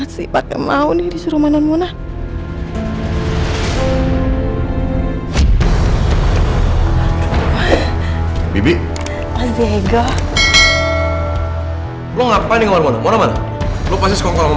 ini sebagai tanda terima kasih atas bi bi udah bantuin aku